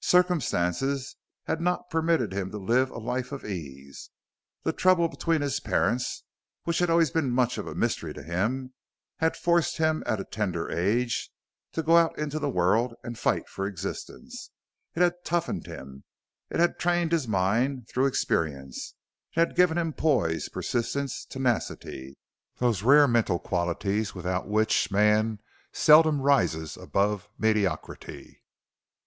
Circumstances had not permitted him to live a life of ease. The trouble between his parents which had always been much of a mystery to him had forced him at a tender age to go out into the world and fight for existence. It had toughened him; it had trained his mind through experience; it had given him poise, persistence, tenacity those rare mental qualities without which man seldom rises above mediocrity.